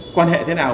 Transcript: quan hệ thế nào